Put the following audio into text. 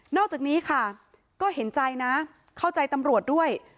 อกจากนี้ค่ะก็เห็นใจนะเข้าใจตำรวจด้วย